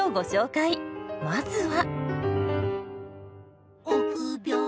まずは。